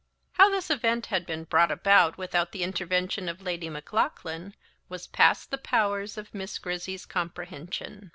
How this event had been brought about without the intervention of Lady Maclaughlan was past the powers of Miss Grizzy's comprehension.